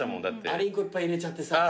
ありんこいっぱい入れちゃってさ。